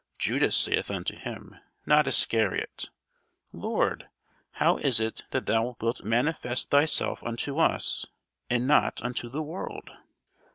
Judas saith unto him, not Iscariot, Lord, how is it that thou wilt manifest thyself unto us, and not unto the world?